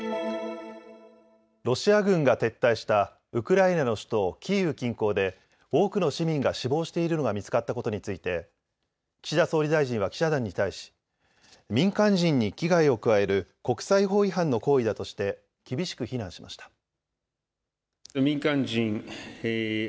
ロシア軍が撤退したウクライナの首都キーウ近郊で多くの市民が死亡しているのが見つかったことについて岸田総理大臣は記者団に対し民間人に危害を加える国際法違反の行為だとして厳しく非難しました。